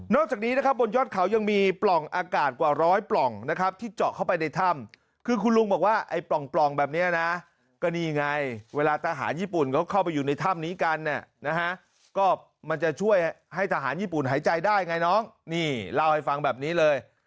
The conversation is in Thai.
จากนี้นะครับบนยอดเขายังมีปล่องอากาศกว่าร้อยปล่องนะครับที่เจาะเข้าไปในถ้ำคือคุณลุงบอกว่าไอ้ปล่องแบบนี้นะก็นี่ไงเวลาทหารญี่ปุ่นเขาเข้าไปอยู่ในถ้ำนี้กันเนี่ยนะฮะก็มันจะช่วยให้ทหารญี่ปุ่นหายใจได้ไงน้องนี่เล่าให้ฟังแบบนี้เลย